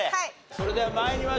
それでは参りましょう。